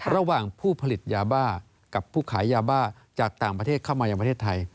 ระหว่างผู้ผลิตยาบ้ากับผู้ขายยาบ้าจากต่างประเทศเข้ามายังประเทศไทย